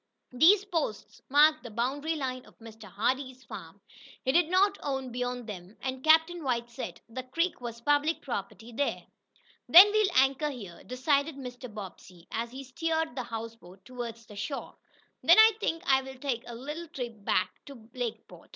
These posts marked the boundary line of Mr. Hardee's farm. He did not own beyond them, and Captain White said the creek was public property there. "Then we'll anchor here," decided Mr. Bobbsey, as he steered the houseboat toward shore. "Then I think I'll take a little trip back to Lakeport."